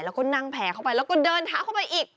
แล้วก็นั่งแผลเข้าไปแล้วก็เดินเท้าเข้าไปอีก